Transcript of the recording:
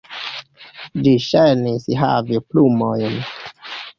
Ĝi ŝajnis havi plumojn.